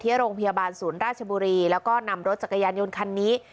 ที่โรงพยาบาลศูนย์ราชบุรีแล้วก็นำรถจักรยานยนต์คันนี้